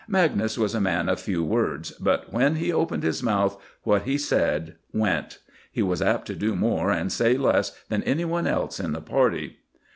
Magnus was a man of few words; but when he opened his mouth, what he said went. He was apt to do more and say less than any one else in the party.